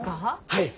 はい。